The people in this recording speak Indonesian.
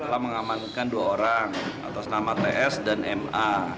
telah mengamankan dua orang atas nama ts dan ma